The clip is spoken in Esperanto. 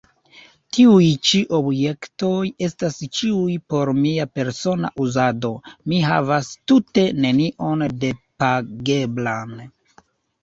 Tiuj ĉi objektoj estas ĉiuj por mia persona uzado; mi havas tute nenion depageblan.